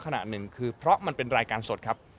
หนึ่งคือเพราะมันเป็นรายการสดครับ